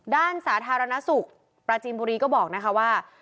ด้านสาธารณสุขปราจีนบุรีก็บอกว่า